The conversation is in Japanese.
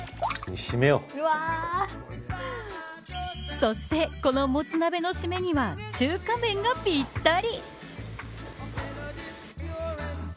そして、このもつ鍋の締めには中華麺がぴったり。